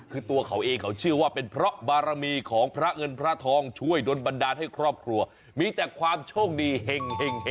คือตัวเขาเองเขาเชื่อว่าเป็นเพราะบารมีของพระเงินพระทองช่วยโดนบันดาลให้ครอบครัวมีแต่ความโชคดีเห็ง